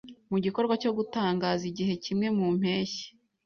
mu gikorwa cyo gutangaza Igihe kimwe mu mpeshyi